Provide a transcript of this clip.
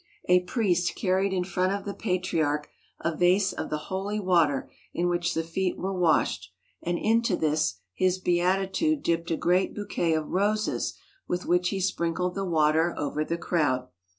A priest carried in front of the Patriarch a vase of the holy water in which the feet were washed, and into this His Beatitude dipped a great bouquet of roses with which he sprinkled the water over the crowd.